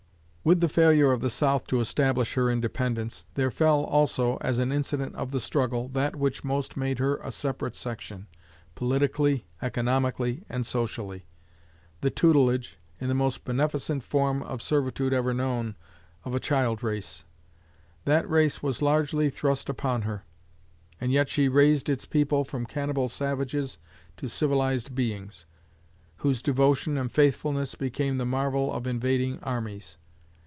With the failure of the South to establish her independence, there fell also, as an incident of the struggle, that which most made her a separate section, politically, economically, and socially the tutelage, in the most beneficent form of servitude ever known, of a child race. That race was largely thrust upon her; and yet she raised its people from cannibal savages to civilized beings, whose devotion and faithfulness became the marvel of invading armies.